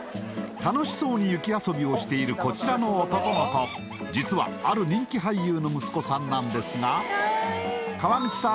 楽しそうに雪遊びをしているこちらの男の子実はある人気俳優の息子さんなんですが川口さん